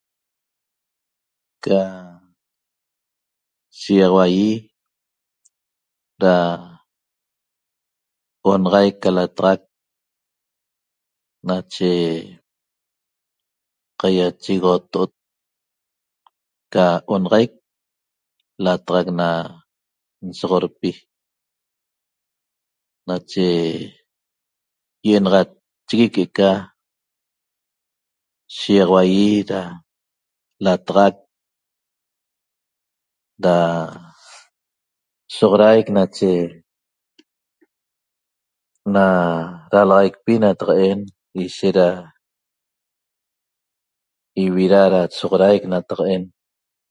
Ca shiýaxaua ýi da onaxaic ca lataxac nache qaiachegoxoto'ot ca onaxaic lataxac na nsodpi nache ýi'inaxatchigui que'eca shiýaxaua ýi da lataxac da soxodaic nache na dalaxaicpi nataq'en ishet da ivida da soxodaic nataq'en